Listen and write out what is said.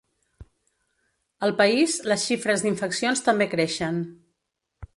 Al país, les xifres d’infeccions també creixen.